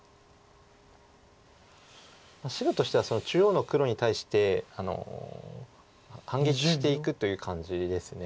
白としてはその中央の黒に対して反撃していくという感じです。